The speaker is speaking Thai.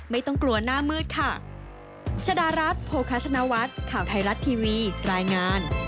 ไม่ต้องกลัวหน้ามืดค่ะ